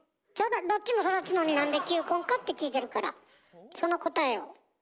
どっちも育つのになんで球根かって聞いてるからその答えを。